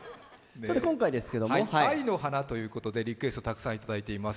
さて今回、「愛の花」ということでリクエストをたくさんいただいています。